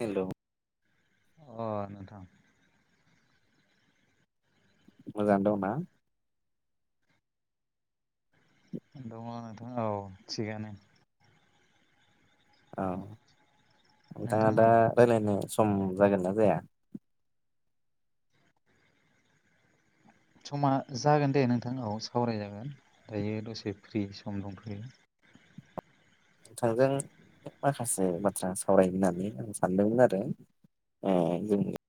हेल' अ नोंथां मोजां दंना दङ नोंथां औ थिगानो औ नोंथाङा दा नोंथाङालाय रायज्लायनो सम जागोन ना जाया? समा जागोन दे नोंथांनाव सावरायजागोन दायो दसे फ्रि सम दंथ'यो नोंथांजों माखासे बाथ्रा सावरायनो होननानै आं सानदोंमोन आरो [unintelligible]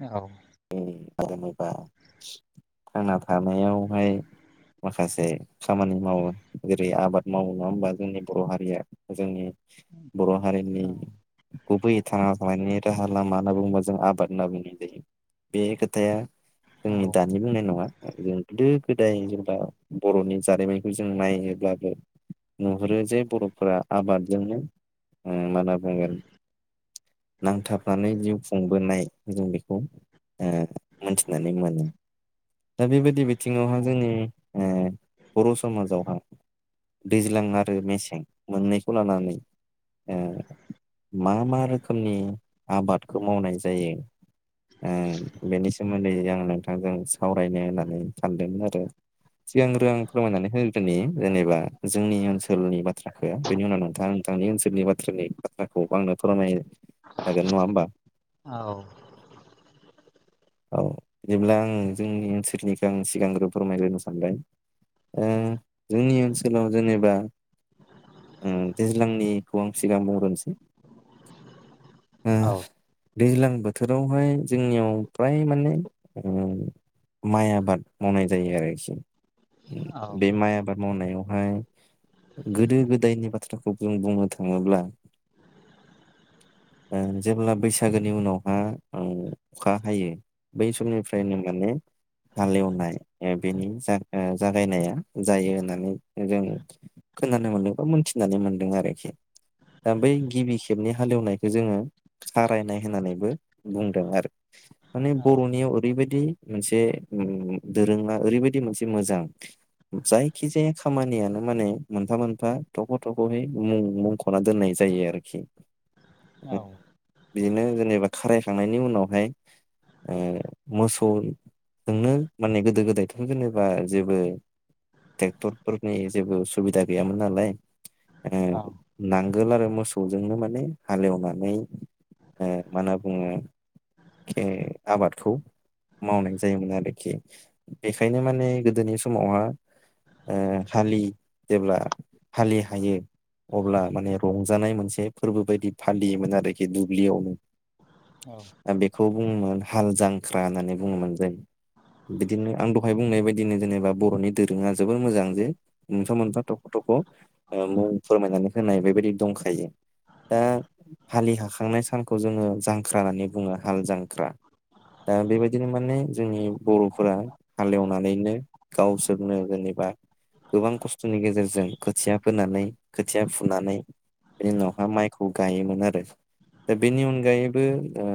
औ ओं जेनबा थांना थानायावहाय माखासे खामानि मावो जेरै आबाद मावो नङा होमबा जोंनि बर' हारिया जोंनि बर' हारिनि औ गुबैयै थांना थानायनि राहा लामा होननानै बुंब्ला जों आबाद होनना बुंनाय जायो बे खोथाया जोंनि औ दानि बुंनाय नङा जों गोदो गोदाय जेनब्ला बर'नि जारिमिनखौ जों नायोब्लाबो नुहुरो जे बर'फोरा आबादजोंनो मा होनना बुंगोन नांथाबनानै जिउ खुंबोनाय जों बेखौ ओ मोनथिनानै मोनो। दा बेबायदि बिथिङावहा औ जोंनि ओ बर' समाजावहा दैज्लां आरो मेसें मोननैखौ लानानै ओ मा मा रोखोमनि आबादखौ मावनाय जायो ओ बेनि सोमोन्दै आं नोंथांजों सावरायनो होननानै सानदों आरो सिगांग्रो आं फोरमायनानै हो नि जेनेबा जोंनि ओनसोलनि बाथ्राखो बेनि उनाव नोंथाङा नोंथांनि ओनसोलनि बाथ्रानि बाथ्राखौ आंनो फोरमनाय जागोन नङा होमबा? हा औ औ जेब्ला आं जोंनि ओनसोलनिखौ आं सिगांग्रो फोरमायग्रोनो सानबाय। ओं जोंनि ओनसोलाव जेनेबा ओं दैज्लांनिखौ आं सिगां बुंग्रोनिसै ओ औ दैज्लां बोथोरावहाय जोंनियाव फ्राय माने माइ आबाद मावनाय जायो आरोखि बे माइ आबाद मावनायावहाय गोदो गोदायनि बाथ्राखौ जों बुंनो थाङोब्ला जेब्ला बैसागोनि उनावहा औ अखा हायो बै समनिफ्रायनो माने हालेवनाय बेनि जागायनाया जायो होननानै जों खोनानो मोन्दों बा मोनथिनानै मोनदों आरोखि। दा बै गिबि खेबनि हालेवनायखौ जोङो खारायनाय होननानैबो बुंदों आरो। माने औ बर'नियाव ओरैबायदि मोनसे दोरोङा ओरैबायदि मोनसे मोजां जायखिजाया खामानियानो माने मोनफा मोनफा थख' थख'यै मुं मखना दोननाय जायो आरोखि। ओ, औ बिदिनो जेनेबा खारायखांनायनि उनावहाय ओ मोसौ नोंनो माने गोदो गोदायथ' जेनेबा जेबो ट्रेक्टरफोरनि जेबो सुबिदा गैयामोन नालाय आरो ओं नांगोल आरो मोसौजोंनो माने हालेवनानै मा ओ होनना बुङो खे आबादखौ मावनाय जायोमोन आरोखि बेखायनो माने गोदोनि समावहा ओ हालि जेब्ला हालि हायो अब्ला माने रंजानाय मोनसे फोरबो बायदि फालियोमोन आरोखि दुब्लियाव औ ओ बेखौ बुङोमोन हाल जांख्रा होननानै बुङोमोन जों बिदिनो आं दहाय बुंनाय बायदिनो जेनेबा बर'नि दोरोङा जोबोर मोजां जे मोनफा मोनफा थख' थख' ओ मुं फोरमायनानै होनाय बेबायदि दंखायो। दा औ औ हालि हाखांनाय सानखौ जोङो जांख्रा होननानै बुङो हाल जांख्रा। दा बेबायदिनो माने जोंनि बर'फोरा हालेवनानैनो गावसोरनो जेनेबा गोबां खस्थ'नि गेजेरजों खोथिया फोनानै खोथिया फुनानै बेनि उनावहा माइखौ गायोमोन आरो दा बेनि अनगायैबो ओ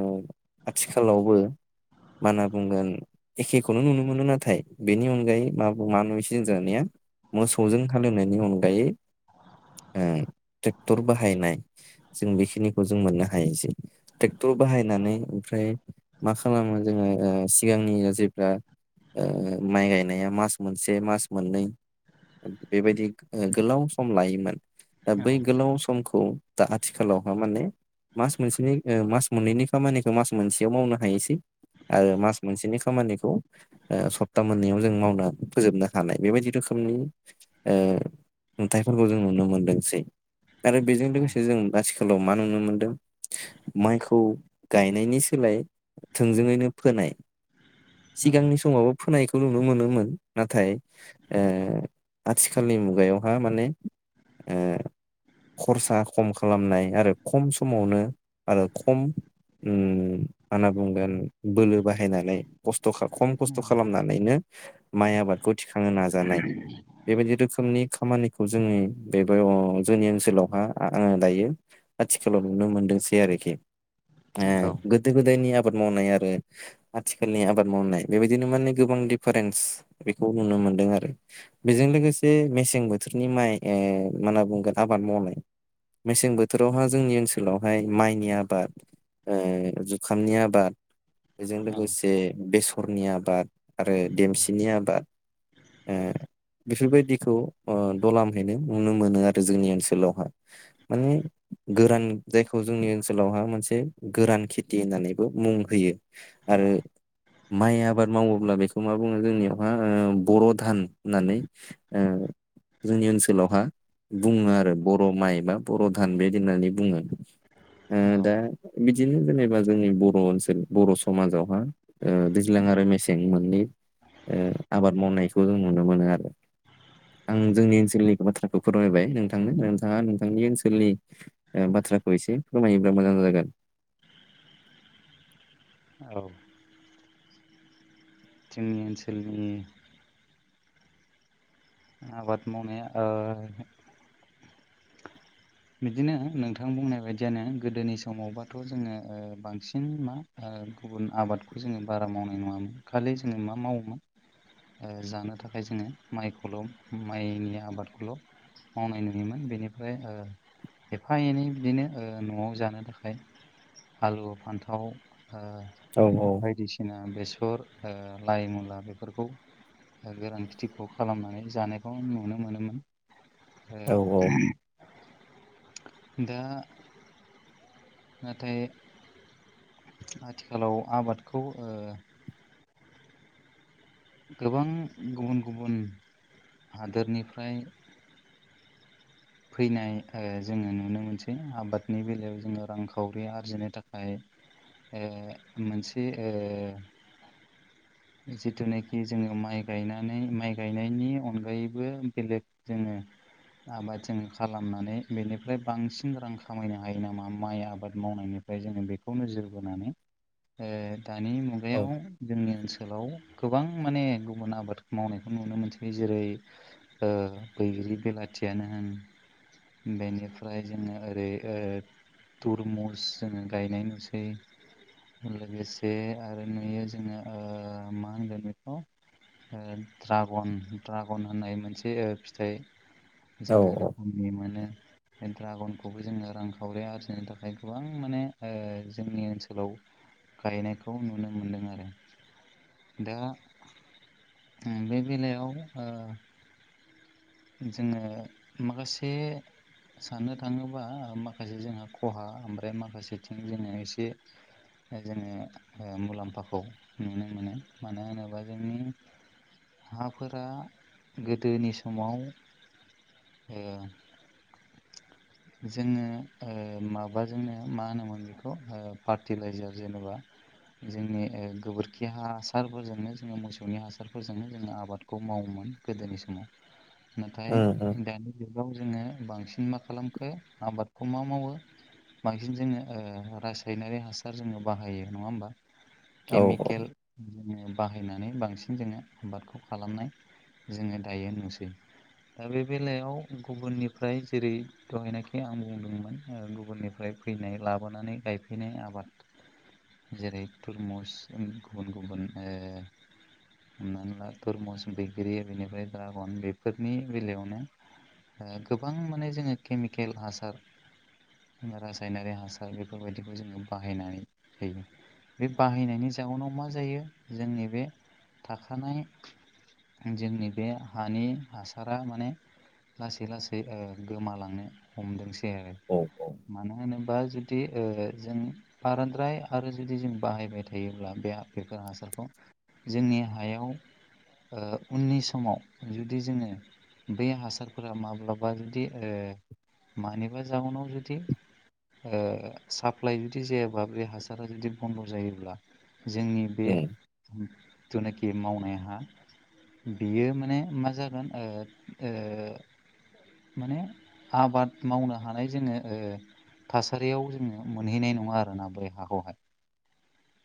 आथिखालावबो मा होनना बुंगोन एखेखौनो नुनो मोनो नाथाय बेनि अनगायै मा मा नुसिनो दानिया मोसौजों हालेवनायनि अनगायै ओ ट्रेक्टर बाहायनाय जों बेखिनिखौ जों मोननो हायो ट्रेक्टर बाहायनानै ओमफ्राय मा खालामो जोङो सिगांनि जायफ्रा ओ माइ गायनाया मास मोनसे मास मोननै बेबायदि ओ गोलाव सम लायोमोन दा बै गोलाव समखौ दा आथिखालावहा माने मास मोनसेनि ओ मास मोननैनि खामानि जों मास मोनसेयाव मावनो हायोसै आरो मास मोनसेनि खामानिखौ ओ सप्ता मोननैयाव जों मावना फोजोबनो हानाय बेबायदि रोखोमनि ओ नुथाइफोरखौ जों नुनो मोनदोंसै। आरो बेजों लोगोसे जों आथिखालाव मा नुनो मोनदों माइखौ गायनायनि सोलाय थोंजोङैनो फोनाय सिगांनि समावबो फोनायखौ नुनो मोनोमोन नाथाय ओ आथिखालनि मुगायावहा माने ओ खरसा खम खालामनाय आरो खम समावनो आरो खम उम मा होनना बुंगोन बोलो बाहायनानै खस्थ' ख खम खस्थ' खालामना नैनो माइ आबादखौ थिखांनो नाजानाय बेबायदि रोखोमनि खामानिखौ जोंनि बेबो अ जोंनि ओनसोलावहा आ आ दायो। आथिखालाव नुनो मोनदोंसै आरोखि ओ गोदो गोदायनि आबाद मावनाय आरो आथिखालनि आबाद मावनाय बेबायदिनो माने गोबां डिफारेन्स बेखौ नुनो मोनदों आरो बेजों लोगोसे मेसें बोथोरनि माइ ओ मा होनना बुंगोन आबाद मावनाय मेसें बोथोरावहा जोंनि ओनसोलावहाय माइनि आबाद ओ जुखामनि आबाद बेजों लोगोसे बेसरनि आबाद आरो देमसिनि आबाद ओ बेफोरबायदिखौ ओ दलामहैनो नुनो मोनो आरो जोंनि ओनसोलावहा माने गोरान जायखौ जोंनि ओनसोलावहा मोनसे गोरान खेथि होननानैबो मुं होयो आरो माइ आबाद मावोब्ला बेखौ मा बुङो जोंनियावहा ओ बर' धान होननानै ओ जोंनि ओनसोलावहा बुङो आरो बर' माइ बा बर' धान बेदि होननानै बुङो। ओ दा बिदिनो जेनेबा जोंनि बर' ओनसोल बर' समाजावहा ओ दैज्लां आरो मेसें मोननै ओ आबाद मावनायखौ जों नुनो मोनो आरो आं जोंनि ओनसोलनिखो बाथ्राखो फोरमायबाय नोंथांनो नोंथाङा नोंथांनि ओनसोलनि ओ बाथ्राखौ एसे फोरमायोब्ला मोजां जागोन। औ जोंनि ओनसोलनि आबाद मावनाया ओ बिदिनो नोंथां बुंनाय बायदियानो गोदोनि समावबाथ' जोङो ओ बांसिन मा ओ गुबुन आबादखौ जोङो बारा मावनाय नङामोन खालि जोङो मा मावोमोन ओ जानो थाखाय जोङो माइखौल' माइनि आबादखौल' मावनाय नुयोमोन बेनिफ्राय ओ एफा एनै बिदिनो ओ न'आव जानो थाखाय आलु फान्थाव ओ औ औ बायदिसिना बेसर ओ लाइ मुला बेफोरखौ गोरान खेथिखौ खालामनानै जानायखौ नुनो मोनोमोन औ ओ दा नाथाय आथिखालाव आबादखौ ए गोबां गुबुन गुबुन हादोरनिफ्राय फैनाय ओ जोङो नुनो मोनसै आबादनि बेलायाव जोङो रांखावरि आरजिनो थाखाय ओ मोनसे ओ जिथुनाखि जोङो माइ गायनानै माइ गायनायनि अनगायैबो बेलेग जोङो आबाद जों खालामनानै बेनिफ्राय बांसिन रां खामायनो हायो नामा माइ आबाद मावनायनि ओमफ्राय जोङो बेखौ नोजोर बोनानै दानि औ मुगायाव जोंनि ओनसोलाव गोबां माने गुबुन आबाद मावनायखौ नुनो मोनसै जेरै ओ बैग्रि बेलाथियानो होन बेनिफ्राय जोङो ओरै तुरमुस जोङो गायनाय नुसै लोगोसे आरो नुयो जोङो मा होनगोन बेखौ ओ ड्रागन ड्रागन होननाय मोनसे फिथाइ जोङो [unintelligible] बे ड्रागनखौबो जोङो रांखावरि आरजिनो थाखाय गोबां माने जोंनि ओनसोलाव गायनायखौ नुनो मोनदों आरो दा उम बे बेलायाव ओ जोङो माखासे साननो थाङोबा माखासे जोंहा खहा ओमफ्राय माखासेथिं जोङो एसे जोङो मुलाम्फाखौ नुनो मोनो मानो होनोबा जोंनि हाफोरा गोदोनि समाव ओ [inaudible] जोङो ओ माबाजोंनो मा होनोमोन बेखौ फार्टिलाइजार जेनेबा जोंनि गोबोरखि हासारफोरजोंनो जोङो मोसौनि हासारफोरजोंनो जोङो आबाद खौ मावोमोन गोदोनि समाव नाथाय औ दानि जुगाव जोङो बांसिन मा खालामखो आबादखौ मा मावो बांसिन जोङो ओ रासायनारि हासार जोङो बाहायो नङा होमबा औ उम औ केमिकेल जोङो बाहायनानै बांसिन जोङो आबादखौ खालामनाय जोङो दायो नुसै दा बे बेलायाव गुबुननिफ्राय जेरै दहायनाखि आं बुंदोंमोन गुबुननिफ्राय फैनाय लाबोनानै गायफैनाय आबाद [inaudible] जेरै तुरमुस गुबुन गुबुन हमनानै ला तरमुस बैग्रि बेनिफ्राय द्रागन बेफोर बेफोरनि बेलायावनो गोबां माने जोङो केमिकेल हासार रासायनारि हासार बेफोरबायदिखौ जोङो बाहायनानै होयो बे बाहायनायनि जाउनाव मा जायो जोंनि बे थाखानाय जोंनि बे हानि हासारा माने लासै लासै गोमालांनो हमदोंसै आरो औ औ मानो होनोबा जुदि ओ जों बारांद्राय आरो जुदि जों बाहायबाय थायोब्ला बे बेफोर हासारखौ जोंनि हायाव ओ उननि समाव जु जुदि जोङो बै हासारफोरा माब्लाबा जुदि ओ मानिबा जाउनाव जुदि ओ साप्लाइ जुदि जायाबा बे हासारा जुदि बन्द' जायोब्ला जोंनि बे उम जेनाखि मावनाय हा बेयो माने मा जागोन ओ ओ माने आबाद मावनो हानाय जोङो ओ थासारियाव जोङो मोनहैनाय नङा आरोना बोरै हाखौहाय [inaudible]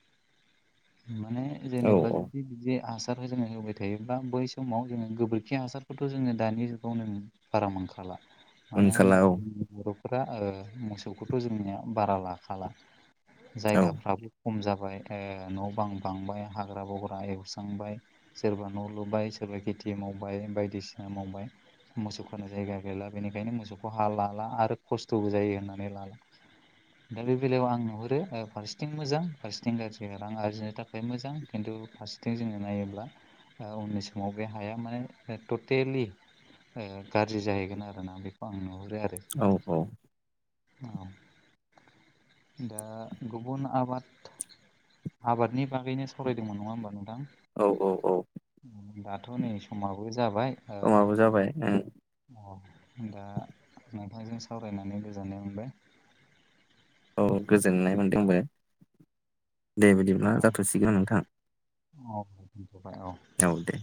माने औ जेनेबा औ जुदि बिदि हासारखौ जोङो होबाय थायोब्ला बै समाव जोङो गोबोर खि हासारखौथ' जोङो दानि जुगावनो बारा मोनखाला मानो मोनखाला होनोब्ला औ जोंङ बर'फोरा ओ मोसौखौथ' जोंनिया बारा लाखाला औ जायगाफ्राबो खम जाबाय ओ न' बां बांबाय हाग्रा बग्रा एवस्रांबाय सोरबा न' लुबाय सोरबा खेथि मावबाय बायदिसिना मावबाय मोसौ खानो जायगा गैला बेनिखायनो मोसौखौ हा लाला आरो खस्थ'बो जायो होननानै लाला [inaudible] दा बेलायाव आं नुहरो फारसेथिं मोजां फारसेथिं गारजि रां आरजिनो थाखाय मोजां खिन्थु फार सेथिं जोङो नायोब्ला उननि समाव बे हाया माने टटेलि ओ गाज्रि जाहैगोन आरोना बेखौ आं नुहुरो आरो औ-औ ओ दा गुबुन आबाद आबादनि बागैनो सावरायदोंमोन नङा होमबा नोंथां औ-औ-औ दाथ' नै समाबो जाबाय समाबो जाबाय ओं ओ दा नोंथांजों सावरायनानै गोजोननाय मोनबाय औ गोजोननाय मोनदों दे औ बिदिब्ला जाथ'सिगोन नोंथां औ दोनथ'बाय औ औ दे